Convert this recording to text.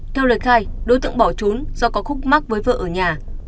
theo lời khai đối tượng bỏ trốn do có khúc mắc với vợ ở nhà